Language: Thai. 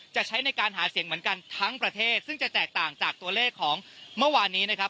ใช้ในการหาเสียงเหมือนกันทั้งประเทศซึ่งจะแตกต่างจากตัวเลขของเมื่อวานนี้นะครับ